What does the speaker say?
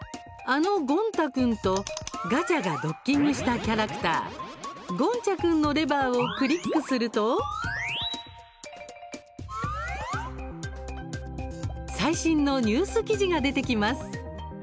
あのゴン太君とガチャがドッキングしたキャラクターゴンチャ君のレバーをクリックすると最新のニュース記事が出てきます。